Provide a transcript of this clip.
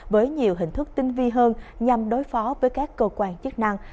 với nhiều hình thức tinh vi hơn nhằm đối phó với các cơ quan chức năng